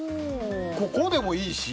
ここでもいいし。